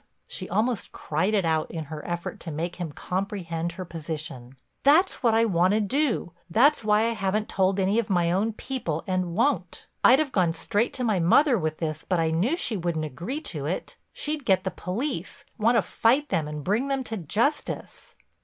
She almost cried it out in her effort to make him comprehend her position. "That's what I want to do; that's why I haven't told any of my own people and won't. I'd have gone straight to my mother with this but I knew she wouldn't agree to it, she'd get the police, want to fight them and bring them to justice."